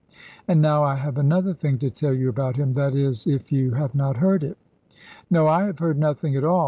And now I have another thing to tell you about him; that is if you have not heard it." "No, I have heard nothing at all.